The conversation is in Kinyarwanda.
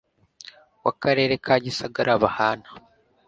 w akarere ka gisagara bahana